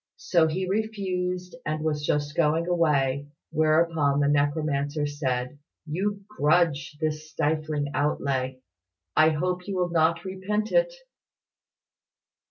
So he refused, and was just going away, whereupon the necromancer said, "You grudge this trifling outlay. I hope you will not repent it."